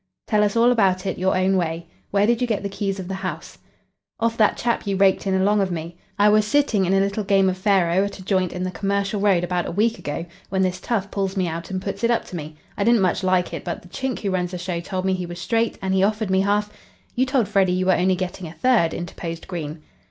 "Tell us all about it your own way. Where did you get the keys of the house?" "Off that chap you raked in along of me. I was sitting in a little game of faro at a joint in the Commercial Road about a week ago, when this tough pulls me out and puts it up to me. I didn't much like it, but the chink who runs the show told me he was straight, and he offered me half " "You told Freddy you were only getting a third," interposed Green.